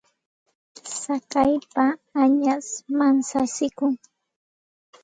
Tsakaypa añash manchachikun.